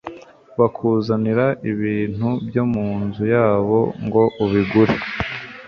bakuzanira ibintu byo mu nzu yabo ngo ubigure